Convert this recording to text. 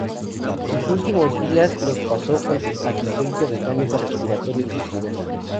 Sus últimos días los pasó con asistencia mecánica respiratoria inducida.